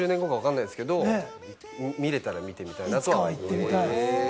何十年後かわからないですけれど、見られたら見てみたいなと思います。